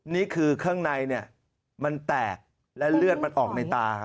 นี่คือข้างในมันแตกและเลือดมันออกในตา